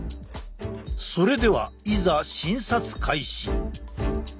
それではいざ診察開始。